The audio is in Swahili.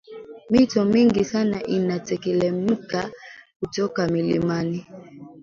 mito mingi sana inatelemka kutoka milimani